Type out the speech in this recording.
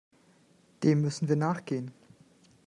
Dem müssen wir nachgehen.